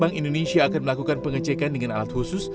bank indonesia akan melakukan pengecekan dengan alat khusus